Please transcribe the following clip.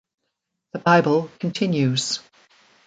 The Bible Continues.